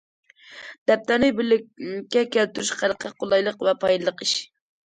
دەپتەرنى بىرلىككە كەلتۈرۈش خەلققە قولايلىق ۋە پايدىلىق ئىش.